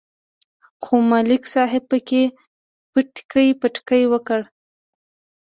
خو ملک صاحب پکې پټک پټک وکړ.